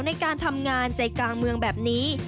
ในการทำงานใจกลางเมืองแบบนี้